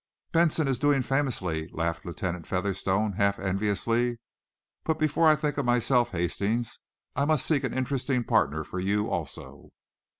"Benson is doing famously," laughed Lieutenant Featherstone, half enviously. "But before I think of myself, Hastings, I must seek an interesting partner for you, also."